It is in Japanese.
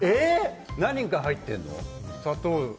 え、何が入っているの？